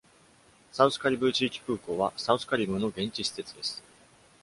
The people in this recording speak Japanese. サウスカリブー地域空港は、サウスカリブーの現地施設です。